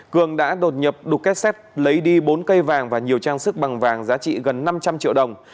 cường đã đột nhập đục kết xét lấy đi bốn cây vàng và nhiều trang sức bằng vàng giá trị gần năm trăm linh triệu đồng